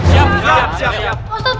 siap siap siap